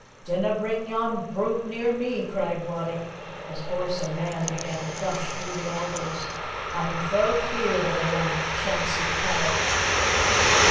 "Dinna bring yon brute near me!" cried Wattie, as horse and man began to crush through the alders. "A'm fell feared o' they unchancy cattle."